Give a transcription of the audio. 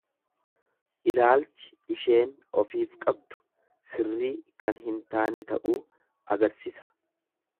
Ilaalchi isheen ofiif qabdu sirrii kan hin taane ta'uu agarsisa.